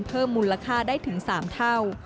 เพิ่มมูลค่าได้ถึง๓เท่า